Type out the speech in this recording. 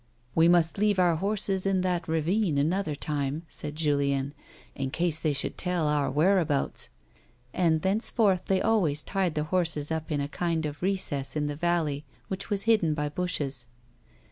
" We must leave our horses in that ravine, anotlier time," said Julien ;" in case they should tell our whereabouts, '' and thenceforth they always tied their horses up in a kind of recess in the valley, which was hidden by bushes.